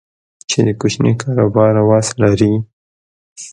چې د کوچني کاروبار وس لري